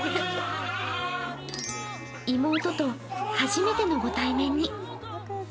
妹と初めてのご対面に。